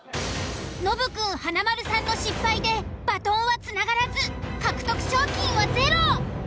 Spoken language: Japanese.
ノブくん華丸さんの失敗でバトンはつながらず獲得賞金はゼロ。